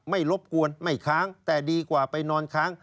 รบกวนไม่ค้างแต่ดีกว่าไปนอนค้าง